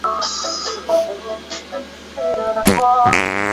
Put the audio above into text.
次年受聘于德国蔡司公司为光学设计师。